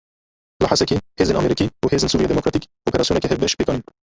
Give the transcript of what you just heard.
Li Hesekê hêzên Amerîkî û Hêzên Sûriya Demokratîk operasyoneke hevbeş pêk anîn.